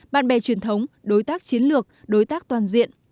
bạn bè truyền thống đối tác chiến lược đối tác toàn diện